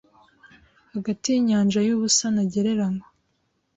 hagati yinyanja yubusa ntagereranywa